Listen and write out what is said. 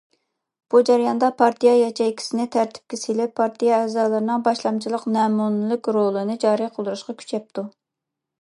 بۇ جەرياندا پارتىيە ياچېيكىسىنى تەرتىپكە سېلىپ، پارتىيە ئەزالىرىنىڭ باشلامچىلىق، نەمۇنىلىك رولىنى جارى قىلدۇرۇشقا كۈچەپتۇ.